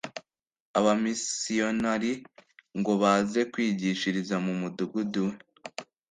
Abamisiyonari ngo baze kwigishiriza mu mudugudu we